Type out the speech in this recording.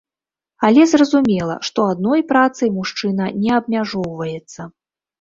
Але зразумела, што адной працай мужчына не абмяжоўваецца.